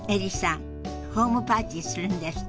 ホームパーティーするんですって。